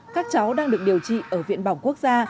các cháu đang được điều trị ở viện bỏng quốc gia